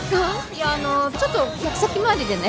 いやあのちょっと客先回りでね。